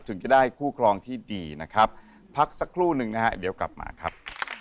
ถึงจะได้คู่ครองที่ดีนะครับพักสักครู่หนึ่งนะฮะเดี๋ยวกลับมาครับ